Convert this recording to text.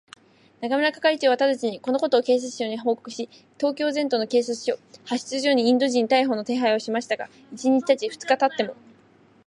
中村係長はただちに、このことを警視庁に報告し、東京全都の警察署、派出所にインド人逮捕の手配をしましたが、一日たち二日たっても、